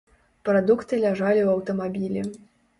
Прадукты ляжалі ў аўтамабілі.